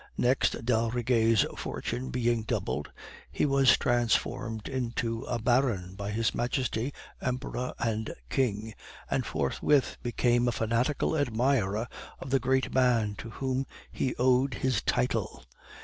Next, d'Aldrigger's fortune being doubled, he was transformed into a Baron by His Majesty, Emperor and King, and forthwith became a fanatical admirer of the great man to whom he owed his title.